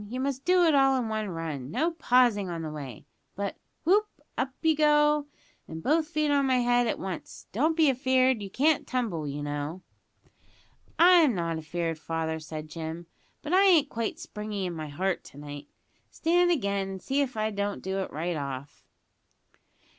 You must do it all in one run; no pausing on the way but, whoop! up you go, and both feet on my head at once. Don't be afeard; you can't tumble, you know." "I'm not afeard, father," said Jim; "but I ain't quite springy in my heart to night. Stand again and see if I don't do it right off."